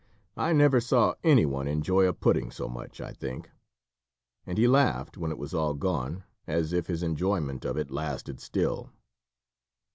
I never saw any one enjoy a pudding so much, I think; and he laughed, when it was all gone, as if his enjoyment of it lasted still.